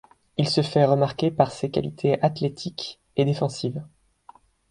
Il se fait remarquer par ses qualités athlétiques et défensives.